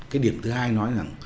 cái điểm thứ hai nói rằng